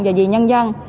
và vì nhân dân